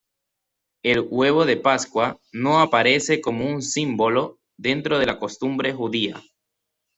El huevo de Pascua no aparece como un símbolo dentro de la costumbre judía.